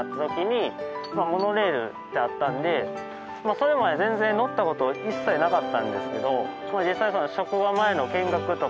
それまで全然乗った事一切なかったんですけど実際。